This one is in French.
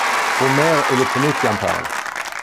Homère est le premier qui en parle.